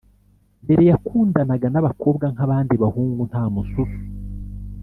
Mbere yakundanaga n’abakobwa nk’abandi bahungu nta mususu